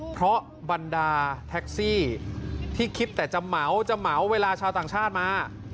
เพราะบรรดาแท็กซี่ที่คิดแต่จะเหมาจะเหมาเวลาชาวต่างชาติมา